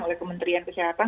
oleh kementerian kesehatan